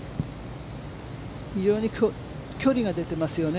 非常に距離が出てますよね。